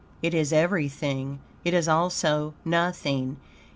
It is everything it is also nothing.